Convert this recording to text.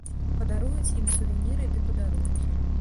Падаруюць ім сувеніры ды падарункі.